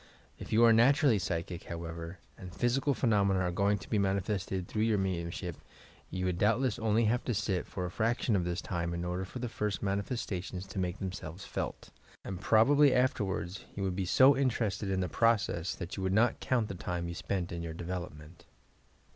If you are naturally psychic, however, and physical phenomena are going to be mani fested through your mediuraship, you would doubtless only have to sit for a fraction of this time in order for the first manifestations to make themselves felt, and probably afterwards you would be so interested in the process that you would not count the time you spent in your development.